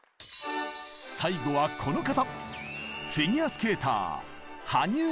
最後はこの方！